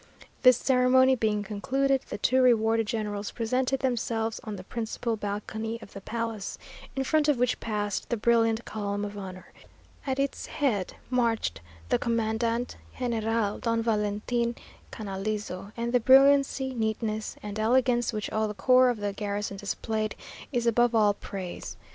"This ceremony being concluded, the two rewarded generals presented themselves on the principal balcony of the palace, in front of which passed the brilliant column of honour; at its head marched the commandant general, Don Valentin Canalizo; and the brilliancy, neatness, and elegance, which all the corps of the garrison displayed, is above all praise.